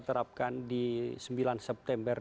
terapkan di sembilan september